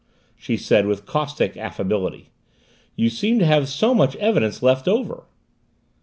she said with caustic affability. "You seem to have so much evidence left over."